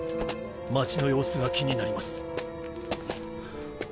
町の様子が気になります。